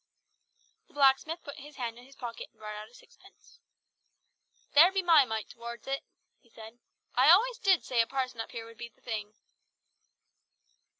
The blacksmith put his hand in his pocket and brought out sixpence. "There be my mite towards it," he said. "I always did say a parson up here would be the thing!"